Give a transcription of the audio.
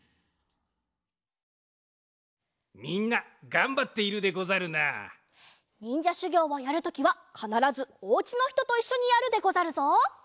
みんながんばっているでござるな。にんじゃしゅぎょうをやるときはかならずお家のひとといっしょにやるでござるぞ。